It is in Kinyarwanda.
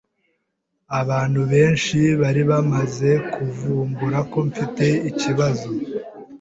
abantu benshi bari bamaze kuvumbura ko mfite ikibazo